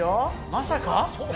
まさか？